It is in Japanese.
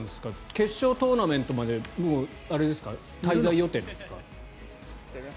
決勝トーナメントまで滞在予定なんですか？